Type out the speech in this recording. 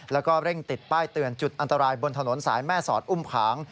แล้วก็เร่งติดป้ายเตือนจุดอันตรายบนถนนสายแม่สอดอุ้มผาง